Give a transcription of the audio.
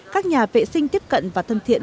các nhà vệ sinh tiếp cận và thân thiện